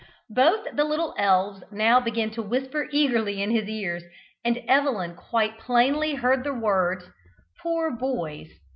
Both the little elves now began to whisper eagerly in his ears, and Evelyn quite plainly heard the words, "poor boys!"